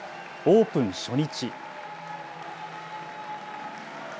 オープン初日。